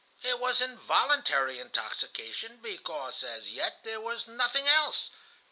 It was involuntary intoxication, because as yet there was nothing else.